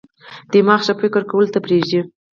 دماغ ښه فکر کولو ته پریږدي.